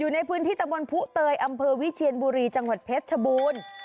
ในพื้นที่ตะมนต์ผู้เตยอำเภอวิเชียนบุรีจังหวัดเพชรชบูรณ์